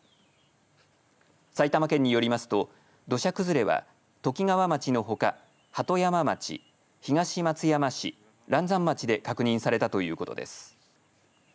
埼玉県によりますと土砂崩れは、ときがわ町のほか鳩山町、東松山市嵐山町で確認されたということです。